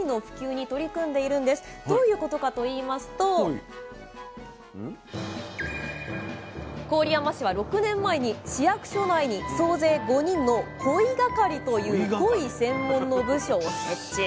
どういうことかといいますと郡山市は６年前に市役所内に総勢５人の鯉係という鯉専門の部署を設置。